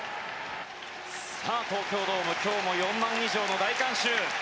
東京ドーム今日も４万以上の大観衆。